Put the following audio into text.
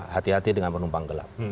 hati hati dengan penumpang gelap